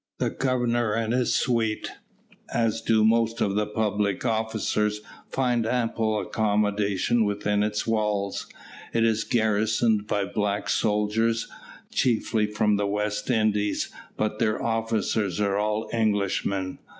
The Governor and his suite, as do most of the public officers, find ample accommodation within its walls. It is garrisoned by black soldiers, chiefly from the West Indies, but their officers are all Englishmen.